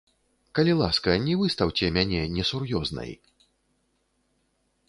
Калі ласка, не выстаўце мяне несур'ёзнай.